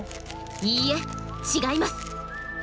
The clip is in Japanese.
いいえ違います！